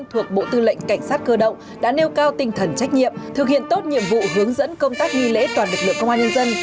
thuộc bộ tư lệnh cảnh sát cơ động đã nêu cao tinh thần trách nhiệm thực hiện tốt nhiệm vụ hướng dẫn công tác nghi lễ toàn lực lượng công an nhân dân